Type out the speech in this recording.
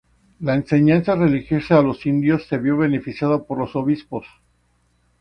La enseñanza religiosa a los indios se vio beneficiada por los obispados.